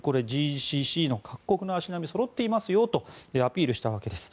ＧＣＣの各国の足並みはそろっていますとアピールしたわけです。